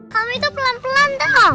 kamu itu pelan pelan dong